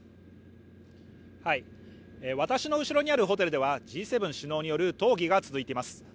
私の後ろにあるホテルではＧ７首脳による討議が続いています。